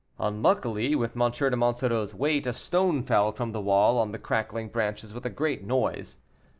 Unluckily, with M. de Monsoreau's weight a stone fell from the wall on the crackling branches with a great noise.